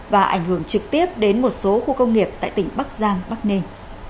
và ảnh hưởng trực tiếp đến một số khu công nghiệp tại tỉnh bắc giang bắc ninh